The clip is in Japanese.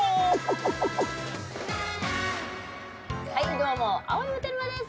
どうも、青山テルマです。